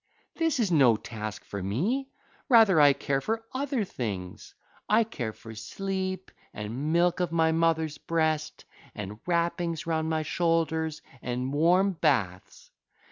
This is no task for me: rather I care for other things: I care for sleep, and milk of my mother's breast, and wrappings round my shoulders, and warm baths.